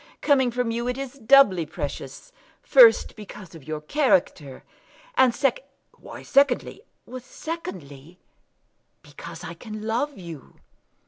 Coming from you it is doubly precious; first, because of your character; and secondly " "Why secondly?" "Secondly, because I can love you."